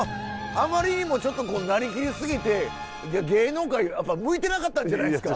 あまりにもちょっとなりきりすぎて芸能界向いてなかったんじゃないですか。